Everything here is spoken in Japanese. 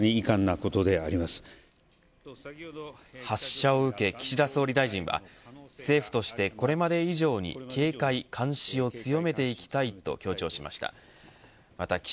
発射を受け岸田総理大臣は政府としてこれまで以上に警戒監視を強めていきたいと強調しました。